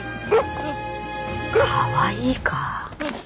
かわいいか？